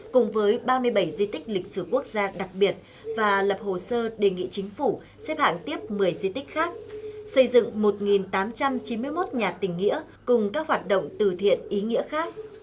cùng với ba mươi bảy di tích lịch sử quốc gia đặc biệt và lập hồ sơ đề nghị chính phủ xếp hạng tiếp một mươi di tích khác xây dựng một tám trăm chín mươi một nhà tình nghĩa cùng các hoạt động từ thiện ý nghĩa khác